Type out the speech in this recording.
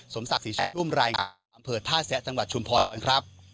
สมศักดิ์สินชายรุ่มรายงานอำเภอท่าแซะจังหวัดชุมพลนะครับ